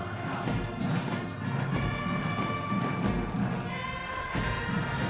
tahun seribu sembilan ratus sembilan puluh enam yang sehari harinya menjabat sebagai asisten operasi pasmar i